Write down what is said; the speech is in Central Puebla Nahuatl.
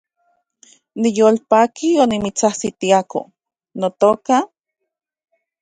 Niyolpaki onimitsajsitiako, notoka